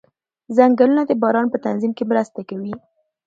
ځنګلونه د باران په تنظیم کې مرسته کوي